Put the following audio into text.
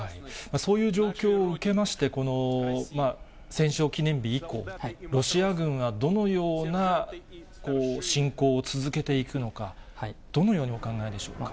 そういう状況を受けまして、この戦勝記念日以降、ロシア軍はどのような侵攻を続けていくのか、どのようにお考えでしょうか。